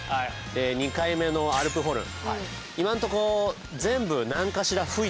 ２回目のアルプホルン。